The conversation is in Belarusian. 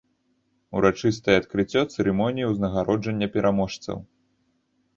Урачыстае адкрыццё цырымоніі ўзнагароджання пераможцаў.